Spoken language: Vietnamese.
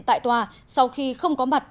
tại tòa sau khi không có mặt